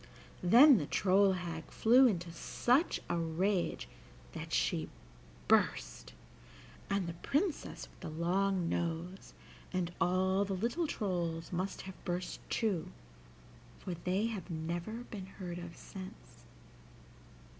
Then the old troll hag flew into such a rage that she burst, and the Princess with the long nose and all the little trolls must have burst too, for they have never been heard of since.